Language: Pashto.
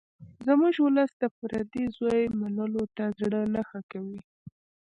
زموږ ولس د پردي زوی منلو ته زړه نه ښه کوي